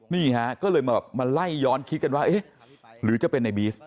นี่ฮะก็เลยมาไล่ย้อนคิดกันว่าเอ๊ะหรือจะเป็นในบีส